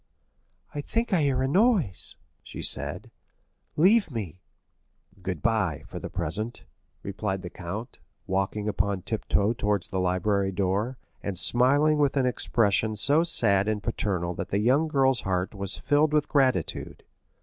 "I think I hear a noise," she said; "leave me." "Good bye, for the present," replied the count, walking upon tiptoe towards the library door, and smiling with an expression so sad and paternal that the young girl's heart was filled with gratitude.